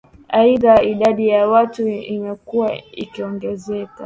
Aidha idadi ya watu imekua ikiongezeka